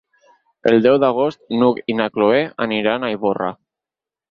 El deu d'agost n'Hug i na Cloè aniran a Ivorra.